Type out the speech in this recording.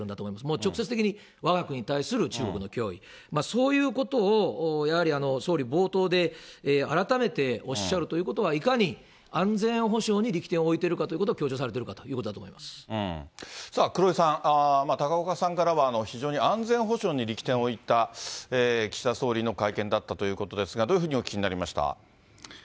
もう直接的にわが国に対する中国の脅威、そういうことをやはり総理、冒頭で改めておっしゃるということは、いかに安全保障に力点を置いているかということを強調されている黒井さん、高岡さんからは非常に安全保障に力点を置いた岸田総理の会見だったということですが、どういうふうにお聞きになりました？